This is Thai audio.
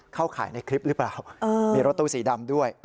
ข่ายในคลิปหรือเปล่ามีรถตู้สีดำด้วย